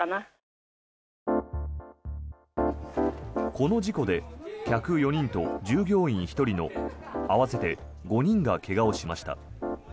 この事故で客４人と従業員１人の合わせて５人が怪我をしました。